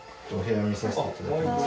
お部屋見させていただきます。